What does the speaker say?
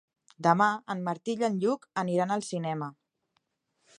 Demà en Martí i en Lluc aniran al cinema.